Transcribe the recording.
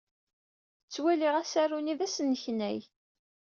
Ttwaliɣ asaru-nni d asneknay.